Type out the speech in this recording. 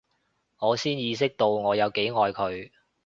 我先意識到我有幾愛佢